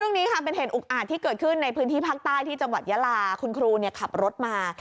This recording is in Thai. เรื่องนี้ค่ะเป็นเหตุอุกอาจที่เกิดขึ้นในพื้นที่ภาคใต้ที่จังหวัดยาลาคุณครูขับรถมา